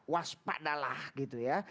waspadalah gitu ya